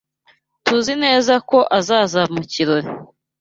TUZI neza ko azaza mu kirori.